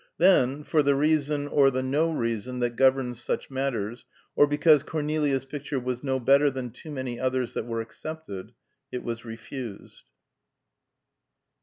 Then, for the reason, or the no reason that governs such matters, or because Cornelia's picture was no better than too many others that were accepted, it was refused.